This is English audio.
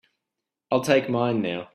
I'll take mine now.